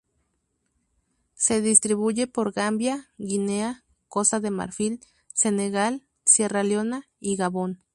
Se distribuye por Gambia, Guinea, Costa de Marfil, Senegal, Sierra Leona y Gabón.